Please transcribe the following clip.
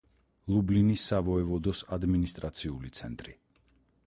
ლუბლინის სავოევოდოს ადმინისტრაციული ცენტრი.